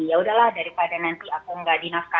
yaudah lah daripada nanti aku nggak dinasurkan